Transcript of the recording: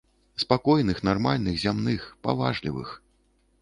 Спакойных, нармальных, зямных, паважлівых.